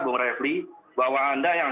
bung refli bahwa anda yang